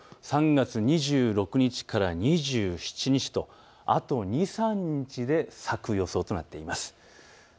３月２６日から２７日とあと２、３日に咲く予想となっています。